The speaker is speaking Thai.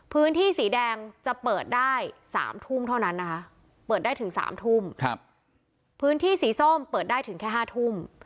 พื้นที่สีแดงจะเปิดได้๓ทุ่มเท่านั้นนะคะเปิดได้ถึง๓ทุ่มพื้นที่สีส้มเปิดได้ถึงแค่๕ทุ่ม